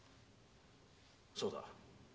そうだ。